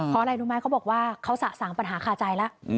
เพราะอะไรรู้ไหมเขาบอกว่าเขาสะสางปัญหาคาใจแล้ว